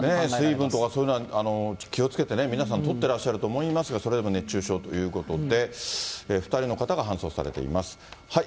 水分とかそういうのは気をつけてね、皆さんとってらっしゃると思いますが、それでも熱中症ということで。